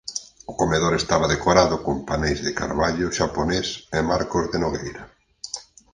O comedor estaba decorado con paneis de carballo xaponés e marcos de nogueira.